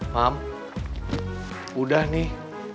mam udah nih